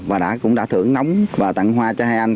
và đã cũng đã thưởng nóng và tặng hoa cho hai anh